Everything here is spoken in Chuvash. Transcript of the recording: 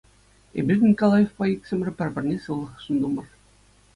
Эпир Николаевпа иксӗмӗр пӗр-пӗрне сывлӑх сунтӑмӑр.